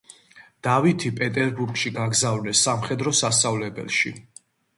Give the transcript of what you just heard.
დავითი პეტერბურგში გაგზავნეს სამხედრო სასწავლებელში.